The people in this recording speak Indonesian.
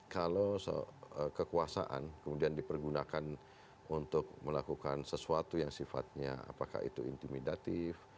kalau kekuasaan kemudian dipergunakan untuk melakukan sesuatu yang sifatnya apakah itu intimidatif